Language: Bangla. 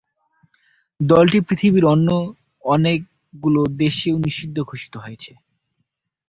দলটি পৃথিবীর অন্য অনেকগুলো দেশেও নিষিদ্ধ ঘোষিত হয়েছে।